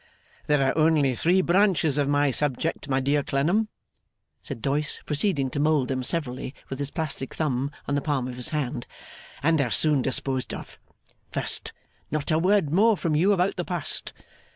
'There are only three branches of my subject, my dear Clennam,' said Doyce, proceeding to mould them severally, with his plastic thumb, on the palm of his hand, 'and they're soon disposed of. First, not a word more from you about the past.